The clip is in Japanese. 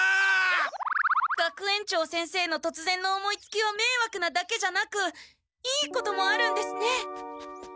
学園長先生のとつぜんの思いつきはめいわくなだけじゃなくいいこともあるんですね！